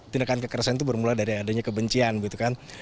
tindakan kekerasan itu bermula dari adanya kebencian gitu kan